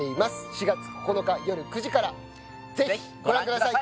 ４月９日よる９時からぜひご覧ください